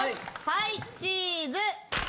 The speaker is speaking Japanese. はいチーズ！